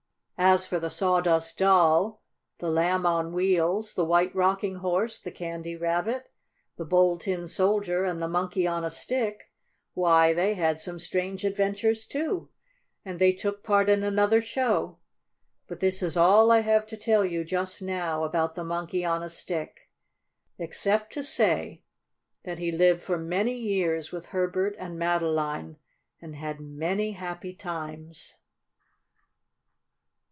As for the Sawdust Doll, the Lamb on Wheels, the White Rocking Horse, the Candy Rabbit, the Bold Tin Soldier and the Monkey on a Stick, why, they had some strange adventures, too, and they took part in another show. But this is all I have to tell you just now about the Monkey on a Stick, except to say that he lived for many years with Herbert and Madeline, and had many happy times.